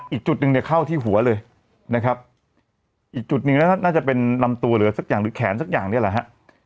อีกจุดหนึ่งเนี่ยเข้าที่หัวเลยนะครับอีกจุดหนึ่งน่าจะเป็นลำตัวหรือสักอย่างหรือแขนสักอย่างเนี่ยแหละฮะ